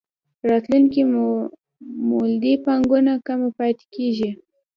راتلونکې مولدې پانګونه کمه پاتې کېږي.